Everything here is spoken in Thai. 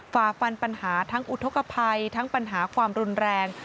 ฝ่าฟันปัญหาทั้งอุทธกภัยทั้งปัญหาความรุนแรง